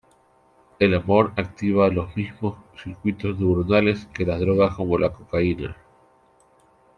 El amor activa los mismos circuitos neuronales que las drogas como la cocaína.